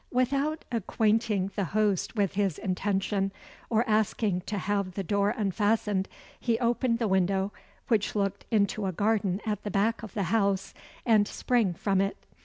Without acquainting the host with his intention, or asking to have the door unfastened, he opened the window which looked into a garden at the back of the house, and sprang from it.